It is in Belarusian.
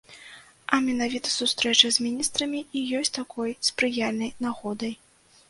А менавіта сустрэча з міністрамі і ёсць такой спрыяльнай нагодай.